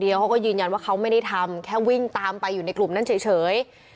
เขาก็ยืนยันว่าเขาไม่ได้ทำแค่วิ่งตามไปอยู่ในกลุ่มนั้นเฉย